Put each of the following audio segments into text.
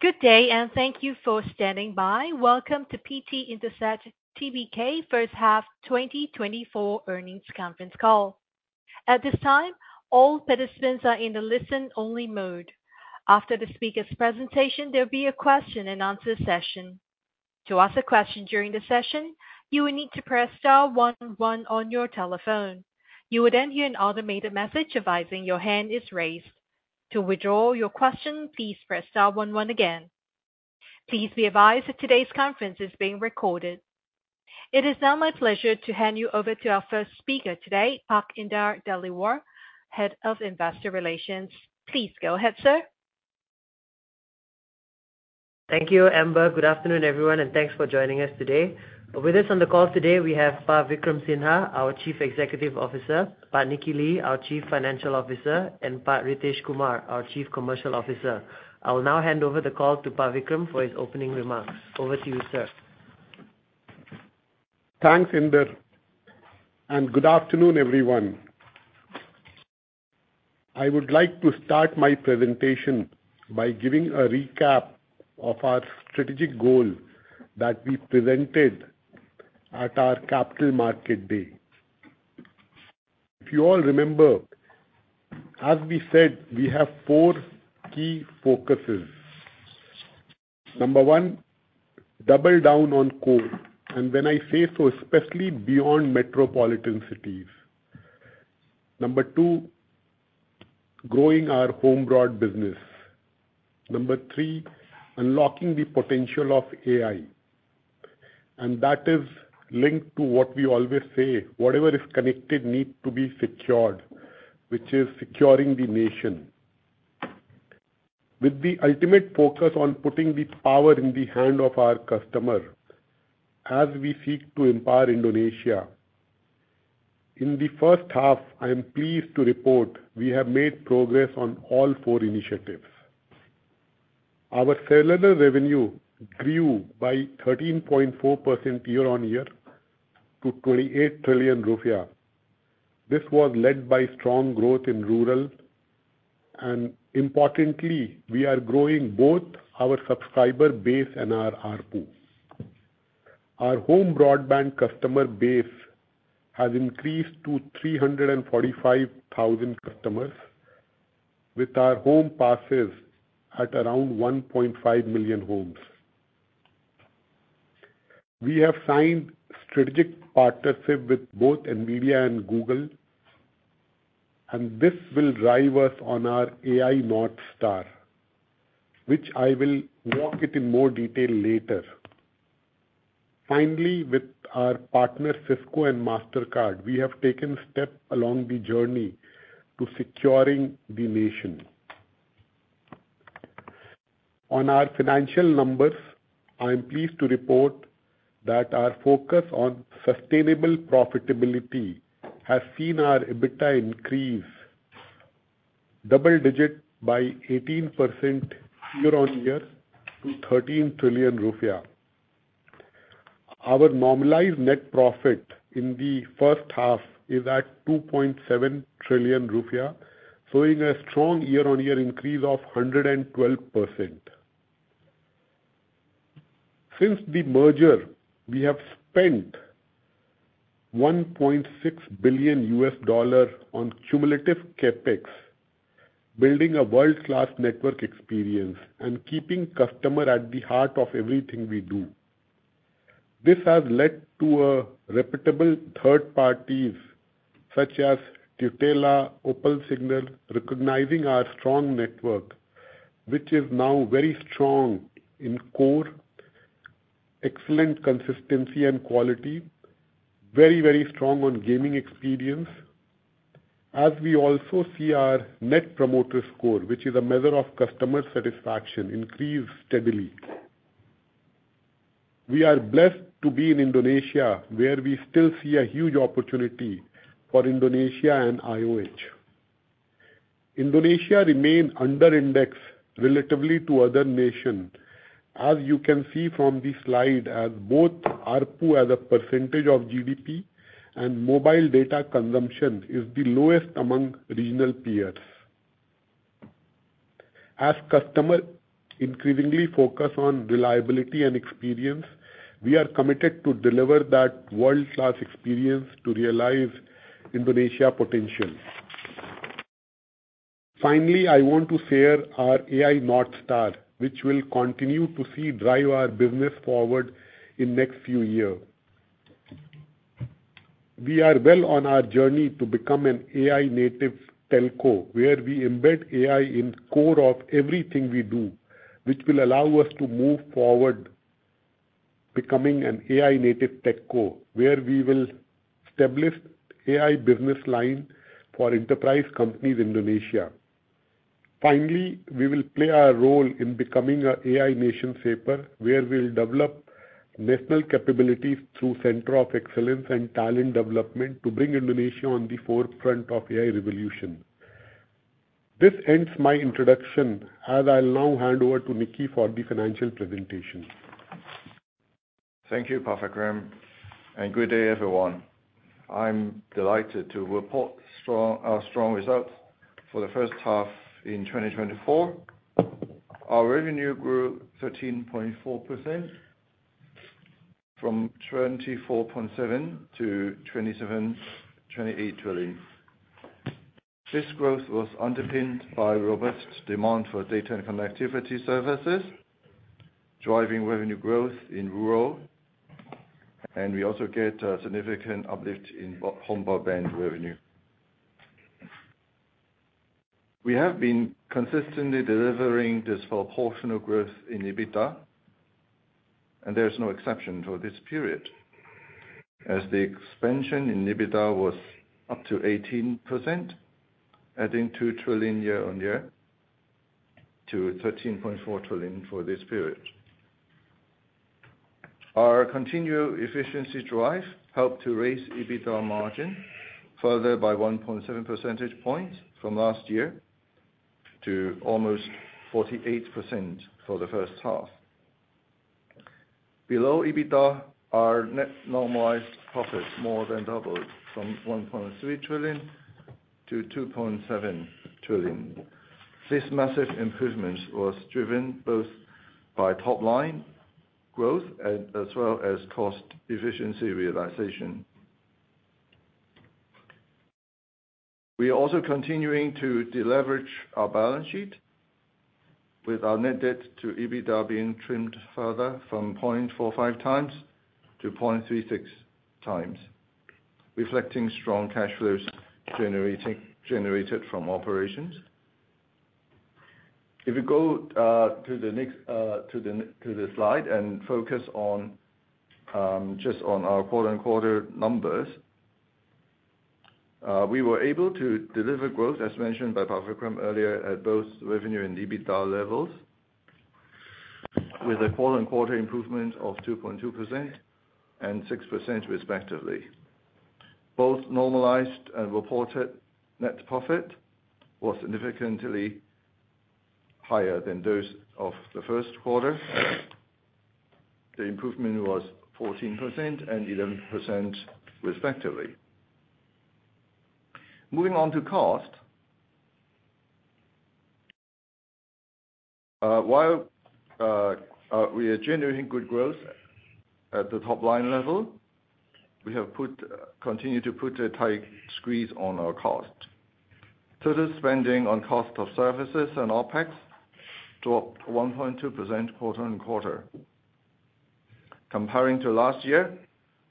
Good day, and thank you for standing by. Welcome to PT Indosat Tbk first half 2024 earnings conference call. At this time, all participants are in the listen-only mode. After the speaker's presentation, there will be a question-and-answer session. To ask a question during the session, you will need to press star one one on your telephone. You will then hear an automated message advising your hand is raised. To withdraw your question, please press star one one again. Please be advised that today's conference is being recorded. It is now my pleasure to hand you over to our first speaker today, Pak Indar Dhaliwal, Head of Investor Relations. Please go ahead, sir. Thank you, Amber. Good afternoon, everyone, and thanks for joining us today. With us on the call today, we have Pak Vikram Sinha, our Chief Executive Officer, Pak Nicky Lee, our Chief Financial Officer, and Pak Ritesh Kumar, our Chief Commercial Officer. I will now hand over the call to Pak Vikram for his opening remarks. Over to you, sir. Thanks, Indar, and good afternoon, everyone. I would like to start my presentation by giving a recap of our strategic goal that we presented at our Capital Market Day. If you all remember, as we said, we have four key focuses. Number one, double down on core, and when I say so, especially beyond metropolitan cities. Number two, growing our home broadband business. Number three, unlocking the potential of AI. And that is linked to what we always say, whatever is connected needs to be secured, which is securing the nation. With the ultimate focus on putting the power in the hand of our customer, as we seek to empower Indonesia. In the first half, I am pleased to report we have made progress on all four initiatives. Our cellular revenue grew by 13.4% year-on-year to IDR 28 trillion. This was led by strong growth in rural, and importantly, we are growing both our subscriber base and our RPU. Our home-broadband customer base has increased to 345,000 customers, with our home passes at around 1.5 million homes. We have signed strategic partnership with both NVIDIA and Google, and this will drive us on our AI North Star, which I will walk through in more detail later. Finally, with our partners Cisco and Mastercard, we have taken steps along the journey to securing the nation. On our financial numbers, I am pleased to report that our focus on sustainable profitability has seen our EBITDA increase double-digit by 18% year-on-year to 13 trillion. Our normalized net profit in the first half is at IDR 2.7 trillion, showing a strong year-on-year increase of 112%. Since the merger, we have spent $1.6 billion on cumulative CapEx, building a world-class network experience and keeping customers at the heart of everything we do. This has led to reputable third parties such as Tutela, Opensignal, recognizing our strong network, which is now very strong in core, excellent consistency and quality, very, very strong on gaming experience, as we also see our Net Promoter Score, which is a measure of customer satisfaction, increase steadily. We are blessed to be in Indonesia, where we still see a huge opportunity for Indonesia and IOH. Indonesia remains under-indexed relatively to other nations, as you can see from the slide, as both ARPU, as a percentage of GDP, and mobile data consumption is the lowest among regional peers. As customers increasingly focus on reliability and experience, we are committed to deliver that world-class experience to realize Indonesia's potential. Finally, I want to share our AI North Star, which will continue to drive our business forward in the next few years. We are well on our journey to become an AI-native telco, where we embed AI in the core of everything we do, which will allow us to move forward, becoming an AI-native telco, where we will establish an AI business line for enterprise companies in Indonesia. Finally, we will play our role in becoming an AI nation-shaper, where we will develop national capabilities through the Center of Excellence and Talent Development to bring Indonesia on the forefront of the AI revolution. This ends my introduction, as I'll now hand over to Nicky for the financial presentation. Thank you, Pak Vikram, and good day, everyone. I'm delighted to report our strong results for the first half in 2024. Our revenue grew 13.4% from 24.7 trillion to 27.28 trillion. This growth was underpinned by robust demand for data and connectivity services, driving revenue growth in rural, and we also get a significant uplift in home-broadband revenue. We have been consistently delivering this proportional growth in EBITDA, and there is no exception for this period, as the expansion in EBITDA was up to 18%, adding 2 trillion year-on-year to 13.4 trillion for this period. Our continued efficiency drive helped to raise EBITDA margin further by 1.7 percentage points from last year to almost 48% for the first half. Below EBITDA, our net normalized profits more than doubled from 1.3 trillion to 2.7 trillion. This massive improvement was driven both by top-line growth as well as cost-efficiency realization. We are also continuing to deleverage our balance sheet, with our net debt to EBITDA being trimmed further from 0.45 times to 0.36 times, reflecting strong cash flows generated from operations. If you go to the next slide and focus just on our quarter-on-quarter numbers, we were able to deliver growth, as mentioned by Pak Vikram earlier, at both revenue and EBITDA levels, with a quarter-on-quarter improvement of 2.2% and 6%, respectively. Both normalized and reported net profit was significantly higher than those of the first quarter. The improvement was 14% and 11%, respectively. Moving on to cost, while we are generating good growth at the top-line level, we have continued to put a tight squeeze on our cost. Total spending on cost of services and OpEx dropped 1.2% quarter-on-quarter. Comparing to last year,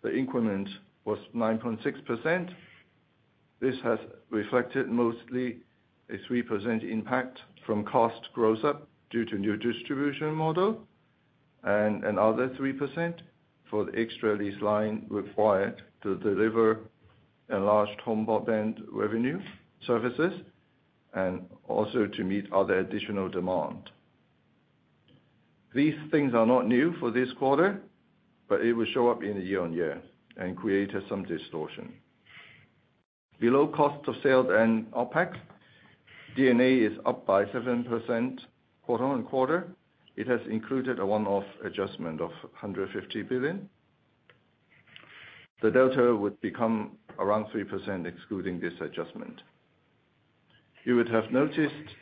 the increment was 9.6%. This has reflected mostly a 3% impact from cost growth up due to the new distribution model, and another 3% for the extra lease line required to deliver enlarged home-broadband revenue services and also to meet other additional demand. These things are not new for this quarter, but it will show up in the year-on-year and create some distortion. Below cost of sales and OpEx, D&A is up by 7% quarter-on-quarter. It has included a one-off adjustment of 150 billion. The delta would become around 3% excluding this adjustment. You would have noticed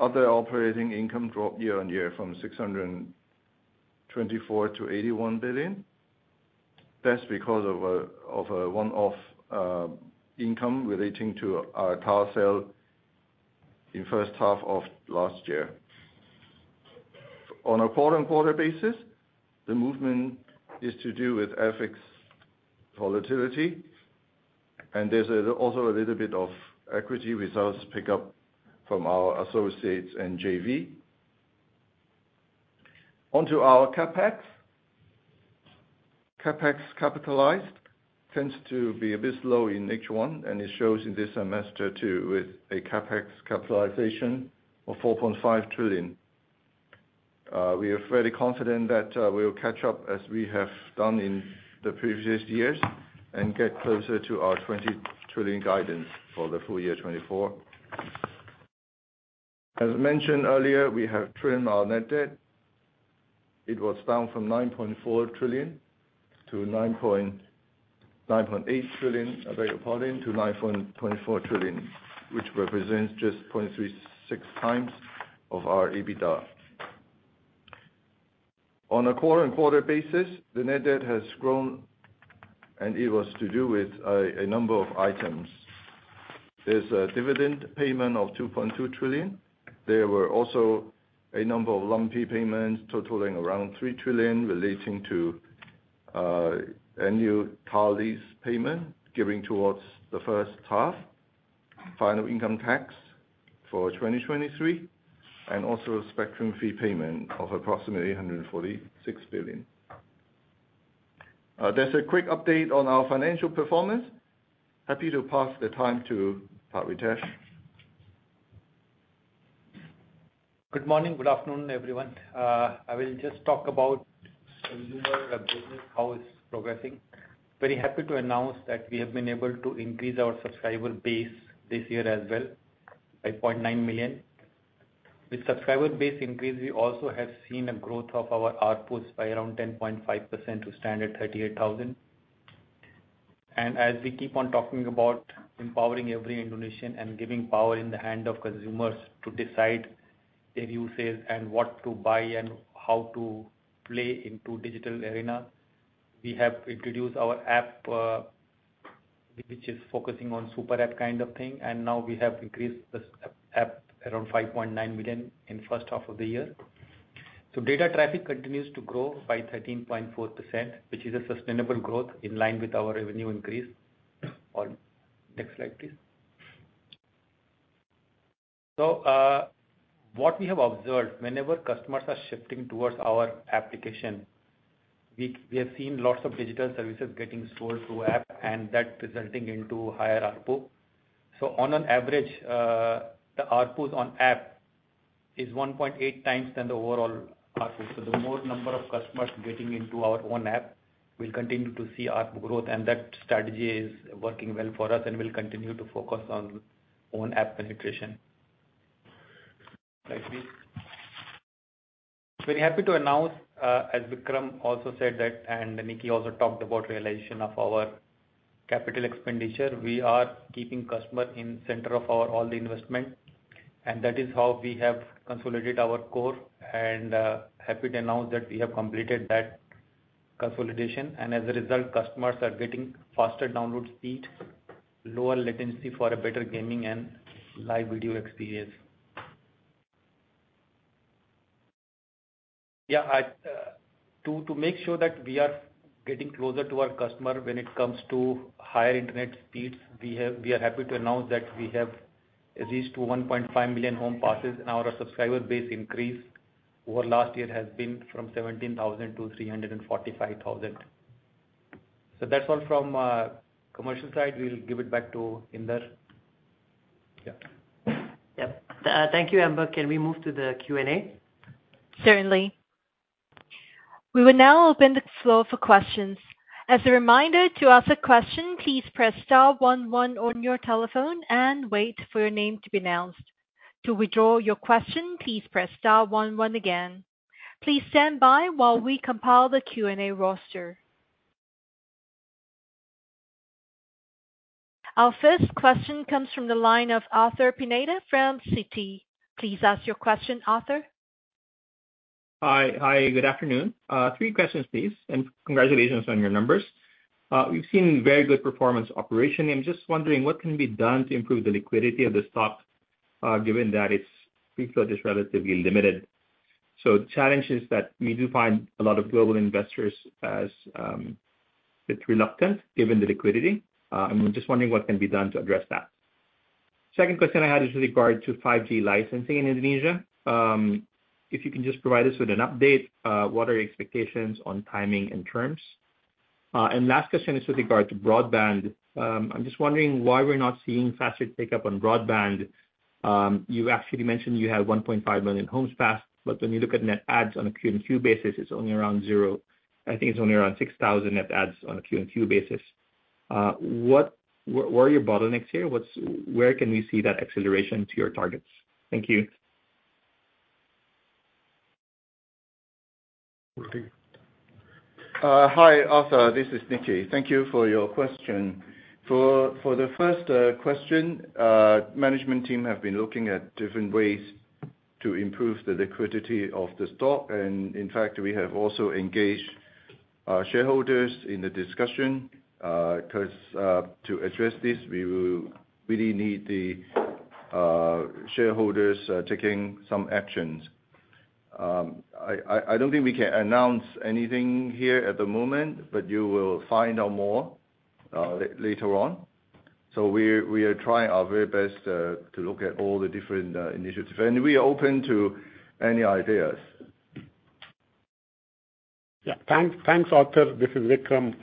other operating income drop year-on-year from 624 billion to 81 billion. That's because of a one-off income relating to our car sale in the first half of last year. On a quarter-on-quarter basis, the movement is to do with FX volatility, and there's also a little bit of equity results pickup from our associates and JV. Onto our CapEx. CapEx capitalized tends to be a bit low in each one, and it shows in this semester too, with a CapEx capitalization of 4.5 trillion. We are fairly confident that we will catch up as we have done in the previous years and get closer to our 20 trillion guidance for the full year 2024. As mentioned earlier, we have trimmed our net debt. It was down from 9.4 trillion to 9.8 trillion to 9.24 trillion, which represents just 0.36 times of our EBITDA. On a quarter-on-quarter basis, the net debt has grown, and it was to do with a number of items. There's a dividend payment of 2.2 trillion. There were also a number of lumpy payments totaling around 3 trillion relating to a new car lease payment given towards the first half, final income tax for 2023, and also spectrum fee payment of approximately 146 billion. There's a quick update on our financial performance. Happy to pass the time to Pak Ritesh. Good morning. Good afternoon, everyone. I will just talk about how the business is progressing. Very happy to announce that we have been able to increase our subscriber base this year as well by 0.9 million. With subscriber base increase, we also have seen a growth of our ARPUs by around 10.5% to 38,000. As we keep on talking about empowering every Indonesian and giving power in the hand of consumers to decide their uses and what to buy and how to play in the digital arena, we have introduced our app, which is focusing on super app kind of thing. Now we have increased this app around 5.9 million in the first half of the year. Data traffic continues to grow by 13.4%, which is a sustainable growth in line with our revenue increase. Next slide, please. So what we have observed, whenever customers are shifting towards our application, we have seen lots of digital services getting sold through app and that resulting into higher ARPU. On average, the ARPUs on app is 1.8 times than the overall ARPU. The more number of customers getting into our own app, we'll continue to see ARPU growth, and that strategy is working well for us and will continue to focus on own app penetration. Very happy to announce, as Vikram also said, and Nicky also talked about realization of our capital expenditure. We are keeping customers in the center of all the investment, and that is how we have consolidated our core. Happy to announce that we have completed that consolidation. As a result, customers are getting faster download speed, lower latency for a better gaming and live video experience. Yeah, to make sure that we are getting closer to our customer when it comes to higher internet speeds, we are happy to announce that we have reached 1.5 million home passes, and our subscriber base increase over last year has been from 17,000 to 345,000. So that's all from the commercial side. We'll give it back to Indar. Yep. Thank you, Amber. Can we move to the Q&A? Certainly. We will now open the floor for questions. As a reminder, to ask a question, please press star one one on your telephone and wait for your name to be announced. To withdraw your question, please press star one one again. Please stand by while we compile the Q&A roster. Our first question comes from the line of Arthur Pineda from Citi. Please ask your question, Arthur. Hi. Hi. Good afternoon. Three questions, please. Congratulations on your numbers. We've seen very good performance operation. I'm just wondering what can be done to improve the liquidity of the stock given that its free float is relatively limited. So the challenge is that we do find a lot of global investors a bit reluctant given the liquidity. I'm just wondering what can be done to address that. Second question I had is with regard to 5G licensing in Indonesia. If you can just provide us with an update, what are your expectations on timing and terms? Last question is with regard to broadband. I'm just wondering why we're not seeing faster pickup on broadband. You actually mentioned you had 1.5 million homes passed, but when you look at net adds on a quarter-over-quarter basis, it's only around zero. I think it's only around 6,000 net adds on a Q&Q basis. What are your bottlenecks here? Where can we see that acceleration to your targets? Thank you. Hi, Arthur. This is Nicky. Thank you for your question. For the first question, the management team has been looking at different ways to improve the liquidity of the stock. And in fact, we have also engaged shareholders in the discussion because to address this, we will really need the shareholders taking some actions. I don't think we can announce anything here at the moment, but you will find out more later on. So we are trying our very best to look at all the different initiatives. And we are open to any ideas. Yeah. Thanks, Arthur. This is Vikram.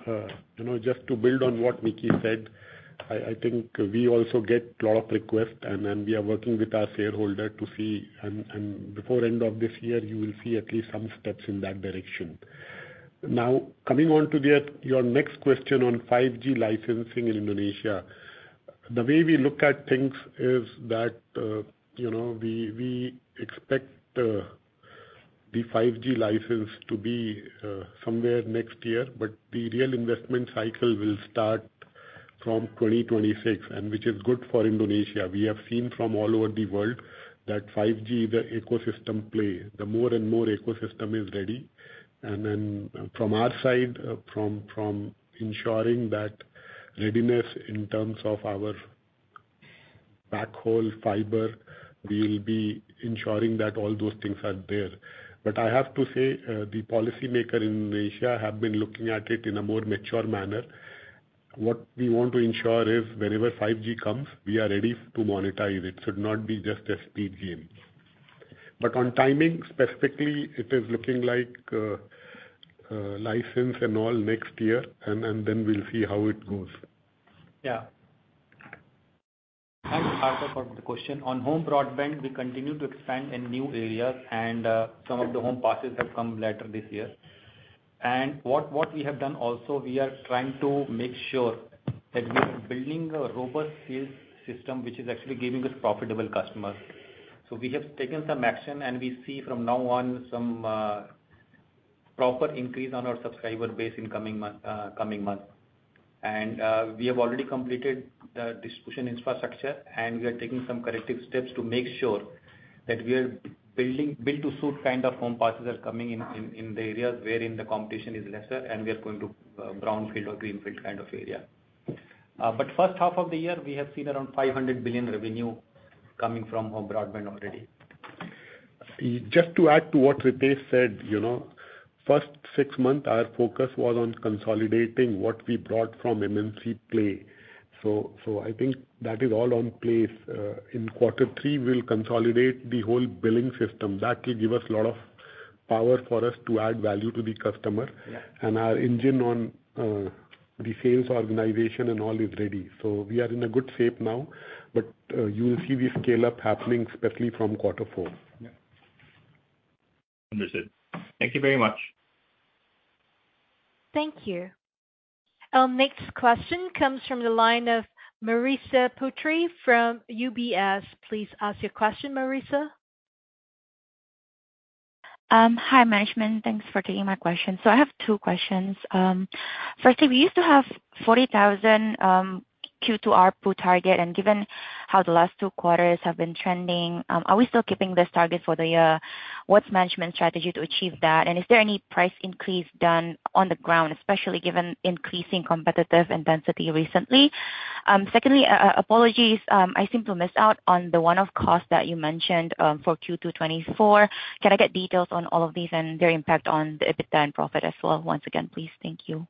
Just to build on what Nicky said, I think we also get a lot of requests, and then we are working with our shareholder to see. And before the end of this year, you will see at least some steps in that direction. Now, coming on to your next question on 5G licensing in Indonesia, the way we look at things is that we expect the 5G license to be somewhere next year, but the real investment cycle will start from 2026, which is good for Indonesia. We have seen from all over the world that 5G, the ecosystem play, the more and more ecosystem is ready. And then from our side, from ensuring that readiness in terms of our backhaul fiber, we'll be ensuring that all those things are there. I have to say, the policymakers in Indonesia have been looking at it in a more mature manner. What we want to ensure is whenever 5G comes, we are ready to monetize it. It should not be just a speed game. On timing, specifically, it is looking like license and all next year, and then we'll see how it goes. Yeah. Thanks, Arthur, for the question. On home broadband, we continue to expand in new areas, and some of the home passes have come later this year. What we have done also, we are trying to make sure that we are building a robust field system, which is actually giving us profitable customers. So we have taken some action, and we see from now on some proper increase on our subscriber base in coming months. We have already completed the distribution infrastructure, and we are taking some corrective steps to make sure that we are building built-to-suit kind of home passes are coming in the areas where the competition is lesser, and we are going to brownfield or greenfield kind of area. But first half of the year, we have seen around 500 billion revenue coming from home broadband already. Just to add to what Ritesh said, first six months, our focus was on consolidating what we brought from MNC Play. So I think that is all in place. In quarter three, we'll consolidate the whole billing system. That will give us a lot of power for us to add value to the customer. And our engine on the sales organization and all is ready. So we are in a good shape now, but you will see the scale-up happening, especially from quarter four. Understood. Thank you very much. Thank you. Our next question comes from the line of Marissa Putri from UBS. Please ask your question, Marissa. Hi, management. Thanks for taking my question. So I have two questions. Firstly, we used to have 40,000 Q2 ARPU target, and given how the last two quarters have been trending, are we still keeping this target for the year? What's the management strategy to achieve that? And is there any price increase done on the ground, especially given increasing competitive intensity recently? Secondly, apologies, I seem to miss out on the one-off cost that you mentioned for Q2 2024. Can I get details on all of these and their impact on the EBITDA and profit as well? Once again, please. Thank you.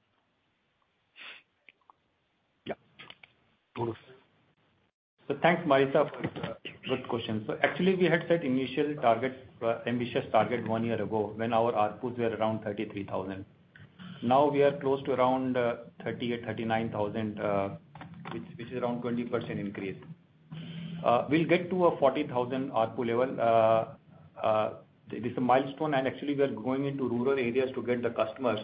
Yeah. So thanks, Marissa, for the good question. So actually, we had set ambitious target one year ago when our ARPUs were around 33,000. Now we are close to around 38,000, 39,000, which is around a 20% increase. We'll get to a 40,000 ARPU level. It is a milestone, and actually, we are going into rural areas to get the customers.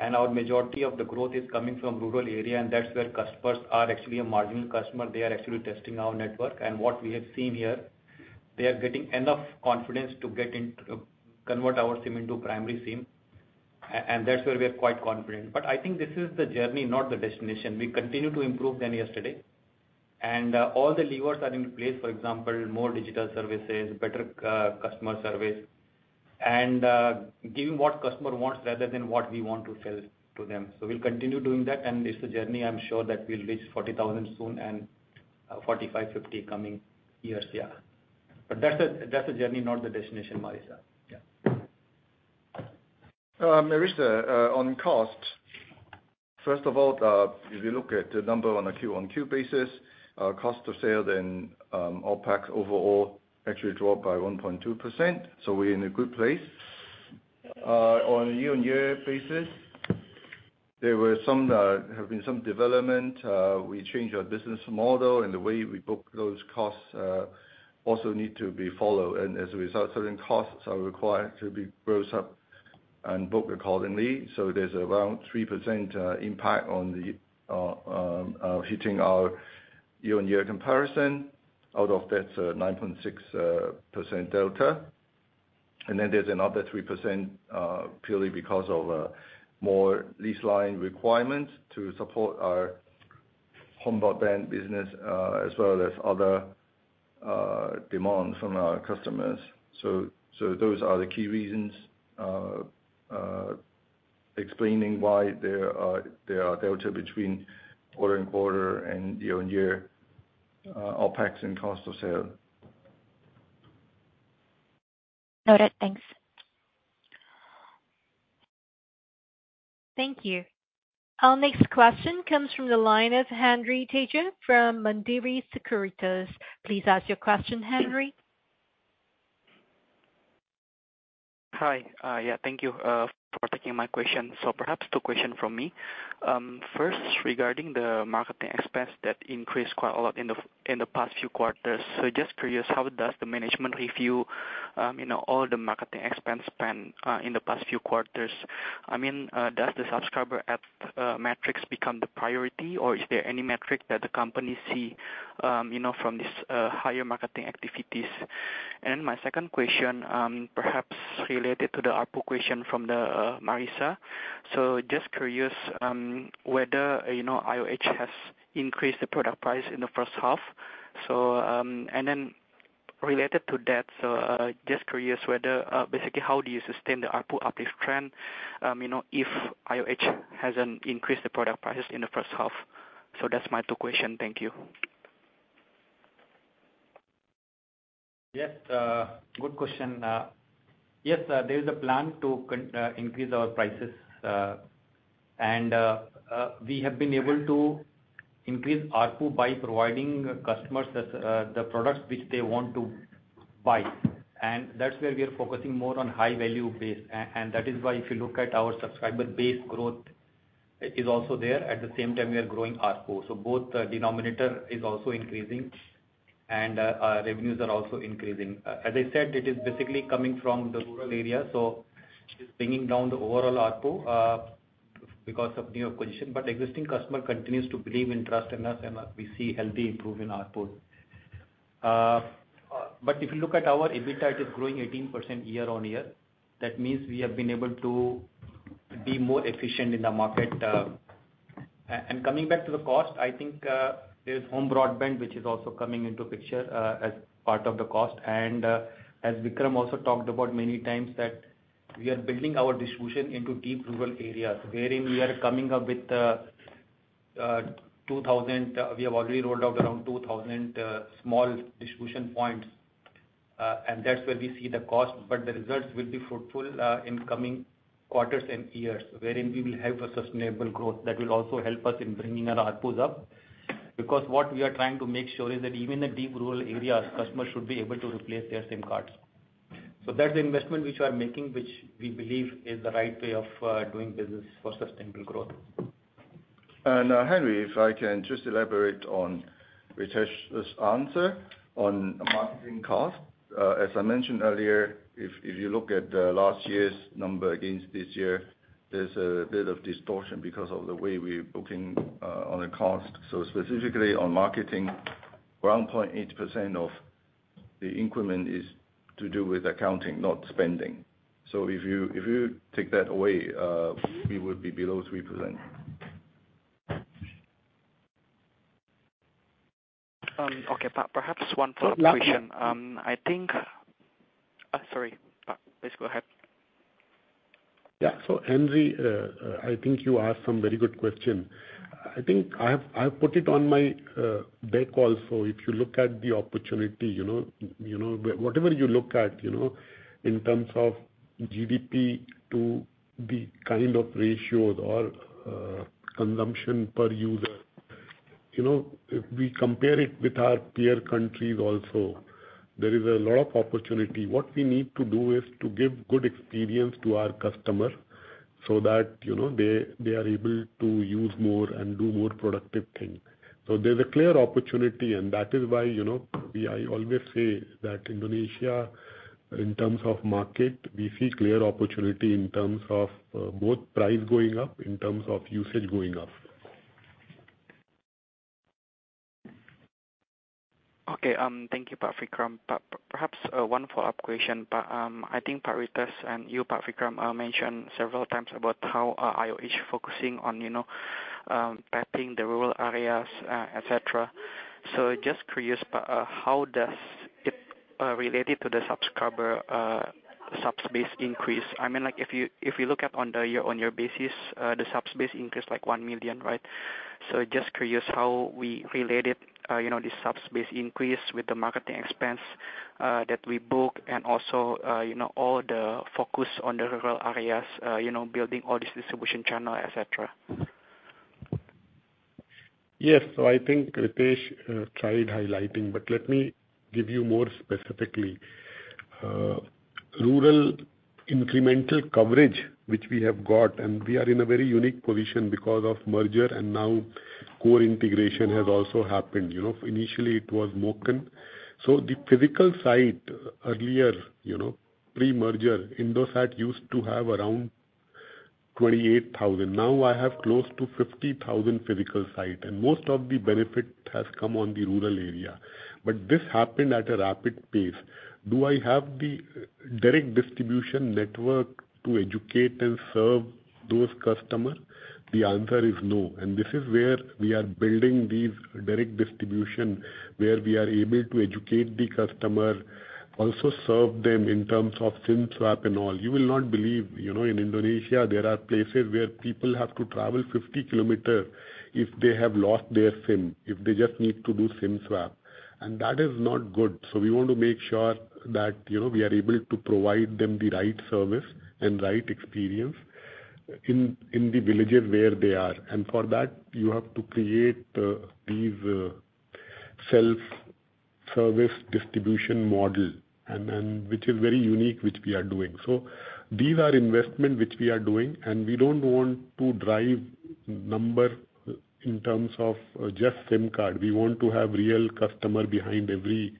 And our majority of the growth is coming from rural area, and that's where customers are actually a marginal customer. They are actually testing our network. And what we have seen here, they are getting enough confidence to convert our SIM into primary SIM. And that's where we are quite confident. But I think this is the journey, not the destination. We continue to improve than yesterday. All the levers are in place, for example, more digital services, better customer service, and giving what customer wants rather than what we want to sell to them. We'll continue doing that, and it's a journey. I'm sure that we'll reach 40,000 soon and 45,000, 50,000 coming years. Yeah. But that's the journey, not the destination, Marissa. Yeah. Marissa, on cost, first of all, if you look at the number on a Q1Q basis, cost of sale and OpEx overall actually dropped by 1.2%. So we're in a good place. On a year-on-year basis, there have been some development. We changed our business model, and the way we book those costs also need to be followed. And as a result, certain costs are required to be grossed up and booked accordingly. So there's around 3% impact on hitting our year-on-year comparison. Out of that, it's a 9.6% delta. And then there's another 3% purely because of more lease line requirements to support our home broadband business as well as other demands from our customers. So those are the key reasons explaining why there are deltas between quarter and quarter and year-on-year OpEx and cost of sale. Noted. Thanks. Thank you. Our next question comes from the line of Henry Tejo from Mandiri Sekuritas. Please ask your question, Henry. Hi. Yeah, thank you for taking my question. So perhaps two questions from me. First, regarding the marketing expense that increased quite a lot in the past few quarters. So just curious, how does the management review all the marketing expense spend in the past few quarters? I mean, does the subscriber acquisition metrics become the priority, or is there any metric that the company sees from these higher marketing activities? And then my second question, perhaps related to the ARPU question from Marissa. So just curious whether IOH has increased the product price in the first half. And then related to that, so just curious whether, basically, how do you sustain the ARPU uplift trend if IOH hasn't increased the product prices in the first half? So that's my two questions. Thank you. Yes. Good question. Yes, there is a plan to increase our prices. We have been able to increase ARPU by providing customers the products which they want to buy. And that's where we are focusing more on high-value base. And that is why if you look at our subscriber base growth, it is also there. At the same time, we are growing ARPU. So both the denominator is also increasing, and revenues are also increasing. As I said, it is basically coming from the rural area, so it's bringing down the overall ARPU because of new acquisition. But existing customers continue to believe and trust in us, and we see healthy improvement in ARPU. But if you look at our EBITDA, it is growing 18% year-on-year. That means we have been able to be more efficient in the market. Coming back to the cost, I think there's home broadband, which is also coming into the picture as part of the cost. As Vikram also talked about many times, that we are building our distribution into deep rural areas, wherein we are coming up with 2,000. We have already rolled out around 2,000 small distribution points. And that's where we see the cost. But the results will be fruitful in coming quarters and years, wherein we will have a sustainable growth that will also help us in bringing our ARPU up. Because what we are trying to make sure is that even in deep rural areas, customers should be able to replace their SIM cards. So that's the investment which we are making, which we believe is the right way of doing business for sustainable growth. Henry, if I can just elaborate on Ritesh's answer on marketing cost. As I mentioned earlier, if you look at last year's number against this year, there's a bit of distortion because of the way we're booking on the cost. Specifically on marketing, 1.8% of the increment is to do with accounting, not spending. If you take that away, we would be below 3%. Okay. Perhaps one follow-up question. I think, sorry. Please go ahead. Yeah. So Henry, I think you asked some very good questions. I think I've put it on my deck also. If you look at the opportunity, whatever you look at in terms of GDP to the kind of ratios or consumption per user, if we compare it with our peer countries also, there is a lot of opportunity. What we need to do is to give good experience to our customers so that they are able to use more and do more productive things. So there's a clear opportunity, and that is why I always say that Indonesia, in terms of market, we see clear opportunity in terms of both price going up, in terms of usage going up. Okay. Thank you, Vikram. Perhaps one follow-up question. I think Ritesh and you, Vikram, mentioned several times about how IOH is focusing on tapping the rural areas, etc. So just curious, how does it relate to the subs space increase? I mean, if you look at on a year-on-year basis, the subspace increased like 1 million, right? So just curious how we related the subspace increase with the marketing expense that we booked and also all the focus on the rural areas, building all these distribution channels, etc. Yes. So I think Ritesh tried highlighting, but let me give you more specifically. Rural incremental coverage, which we have got, and we are in a very unique position because of merger, and now core integration has also happened. Initially, it was MOCN. So the physical site earlier, pre-merger, Indosat used to have around 28,000. Now I have close to 50,000 physical sites. And most of the benefit has come on the rural area. But this happened at a rapid pace. Do I have the direct distribution network to educate and serve those customers? The answer is no. And this is where we are building these direct distributions, where we are able to educate the customer, also serve them in terms of SIM swap and all. You will not believe in Indonesia, there are places where people have to travel 50 km if they have lost their SIM, if they just need to do SIM swap. And that is not good. So we want to make sure that we are able to provide them the right service and right experience in the villages where they are. And for that, you have to create these self-service distribution models, which is very unique, which we are doing. So these are investments which we are doing, and we don't want to drive numbers in terms of just SIM card. We want to have real customers behind every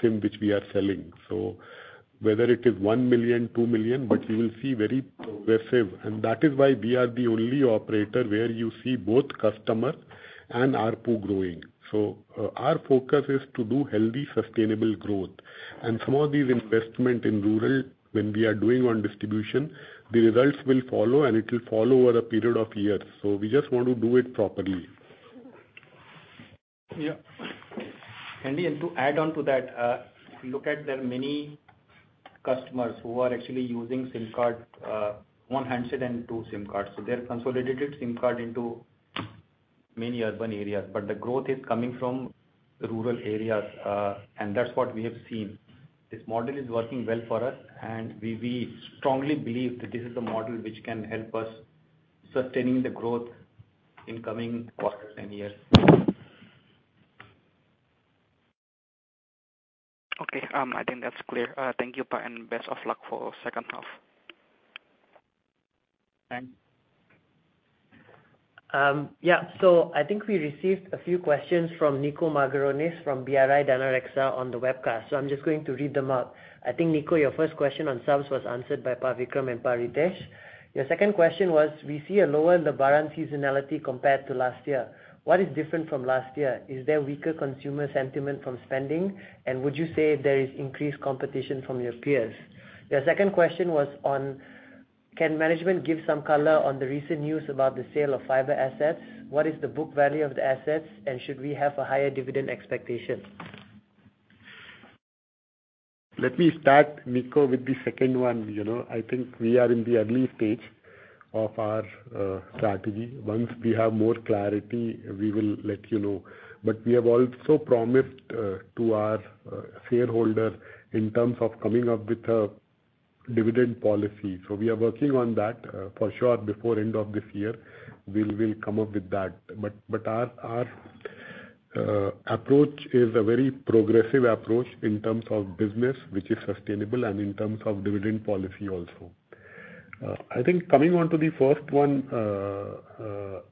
SIM which we are selling. So whether it is 1 million, 2 million, but you will see very progressive. And that is why we are the only operator where you see both customers and ARPU growing. Our focus is to do healthy, sustainable growth. Some of these investments in rural, when we are doing on distribution, the results will follow, and it will follow over a period of years. We just want to do it properly. Yeah. To add on to that, look at there are many customers who are actually using SIM cards, one handset and two SIM cards. They have consolidated SIM cards into many urban areas. The growth is coming from rural areas, and that's what we have seen. This model is working well for us, and we strongly believe that this is the model which can help us sustain the growth in coming quarters and years. Okay. I think that's clear. Thank you, and best of luck for the second half. Thanks. Yeah. So I think we received a few questions from Niko Margaronis from BRI Danareksa on the webcast. So I'm just going to read them up. I think, Nico, your first question on subs was answered by Vikram and Ritesh. Your second question was, we see a lower Lebaran seasonality compared to last year. What is different from last year? Is there weaker consumer sentiment from spending? And would you say there is increased competition from your peers? Your second question was on, can management give some color on the recent news about the sale of fiber assets? What is the book value of the assets, and should we have a higher dividend expectation? Let me start, Nico, with the second one. I think we are in the early stage of our strategy. Once we have more clarity, we will let you know. But we have also promised to our shareholders in terms of coming up with a dividend policy. So we are working on that for sure before the end of this year. We will come up with that. But our approach is a very progressive approach in terms of business, which is sustainable, and in terms of dividend policy also. I think coming on to the first one,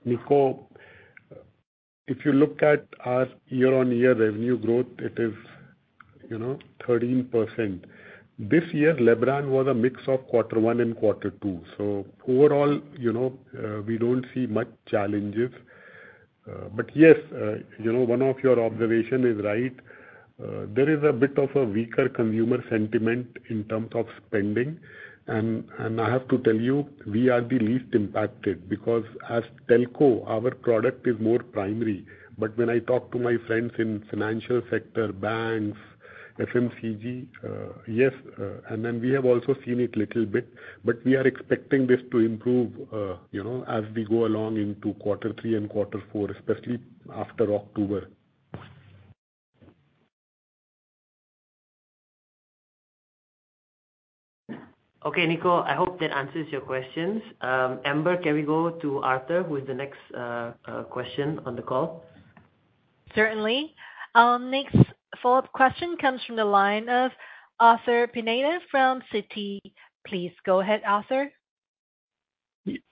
Nico, if you look at our year-on-year revenue growth, it is 13%. This year, Lebaran was a mix of quarter one and quarter two. So overall, we don't see much challenges. But yes, one of your observations is right. There is a bit of a weaker consumer sentiment in terms of spending. I have to tell you, we are the least impacted because as telco, our product is more primary. When I talk to my friends in the financial sector, banks, FMCG, yes, and then we have also seen it a little bit. We are expecting this to improve as we go along into quarter three and quarter four, especially after October. Okay, Nico, I hope that answers your questions. Amber, can we go to Arthur, who is the next question on the call? Certainly. Next follow-up question comes from the line of Arthur Pineda from Citi. Please go ahead, Arthur.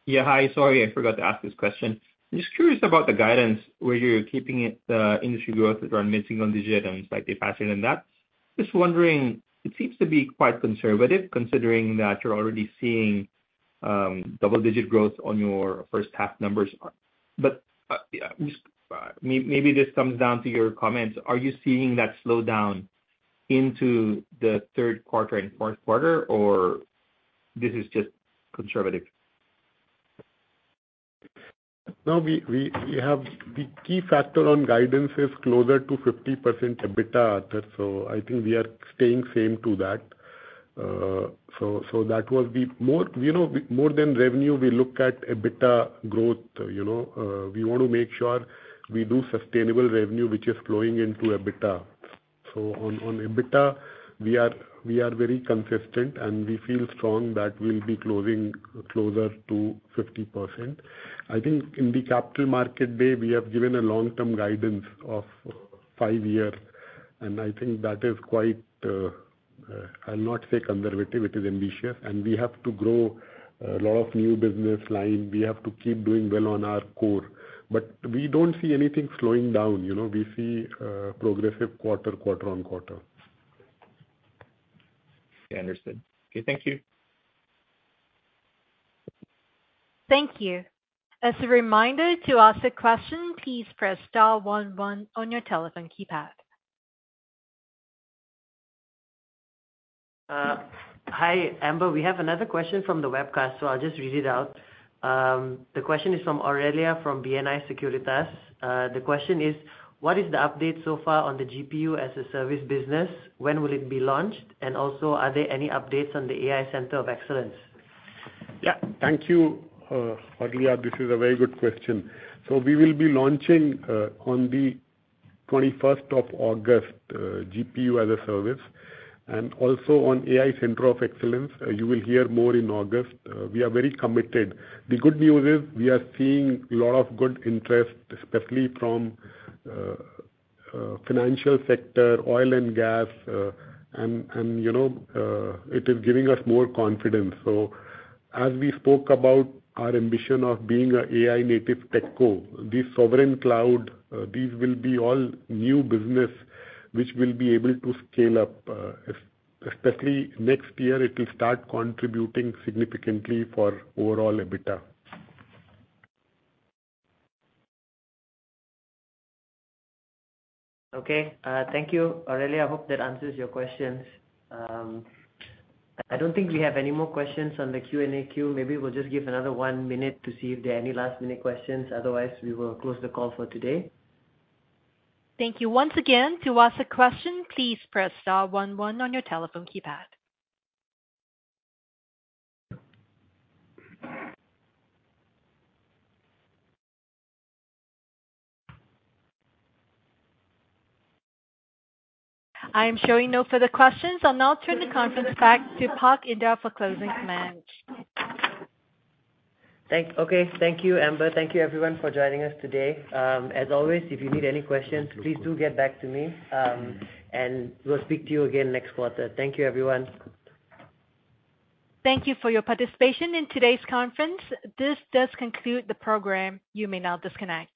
Yeah. Hi. Sorry, I forgot to ask this question. I'm just curious about the guidance where you're keeping the industry growth around mid-single digit and slightly faster than that. Just wondering, it seems to be quite conservative considering that you're already seeing double-digit growth on your first half numbers. But maybe this comes down to your comments. Are you seeing that slowdown into the third quarter and fourth quarter, or this is just conservative? No, the key factor on guidance is closer to 50% EBITDA, Arthur. So I think we are staying same to that. So that was the more than revenue, we look at EBITDA growth. We want to make sure we do sustainable revenue, which is flowing into EBITDA. So on EBITDA, we are very consistent, and we feel strong that we'll be closing closer to 50%. I think in the capital market day, we have given a long-term guidance of five years. And I think that is quite—I'll not say conservative. It is ambitious. And we have to grow a lot of new business lines. We have to keep doing well on our core. But we don't see anything slowing down. We see progressive quarter-over-quarter. Yeah. Understood. Okay. Thank you. Thank you. As a reminder, to ask a question, please press star 11 on your telephone keypad. Hi, Amber. We have another question from the webcast, so I'll just read it out. The question is from Aurelia from BNI Sekuritas. The question is, what is the update so far on the GPU as a Service business? When will it be launched? And also, are there any updates on the AI Center of Excellence? Yeah. Thank you, Aurelia. This is a very good question. So we will be launching on the 21st of August, GPU as a Service. And also on AI Center of Excellence, you will hear more in August. We are very committed. The good news is we are seeing a lot of good interest, especially from the financial sector, oil and gas. And it is giving us more confidence. So as we spoke about our ambition of being an AI-native Telco, these sovereign cloud, these will be all new business which will be able to scale up. Especially next year, it will start contributing significantly for overall EBITDA. Okay. Thank you, Aurelia. I hope that answers your questions. I don't think we have any more questions on the Q&A queue. Maybe we'll just give another one minute to see if there are any last-minute questions. Otherwise, we will close the call for today. Thank you. Once again, to ask a question, please press star 11 on your telephone keypad. I am showing no further questions, and I'll turn the conference back to Pak Indar for closing comments. Okay. Thank you, Amber. Thank you, everyone, for joining us today. As always, if you need any questions, please do get back to me, and we'll speak to you again next quarter. Thank you, everyone. Thank you for your participation in today's conference. This does conclude the program. You may now disconnect.